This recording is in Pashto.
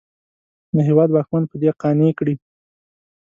د هېواد واکمن په دې قانع کړي.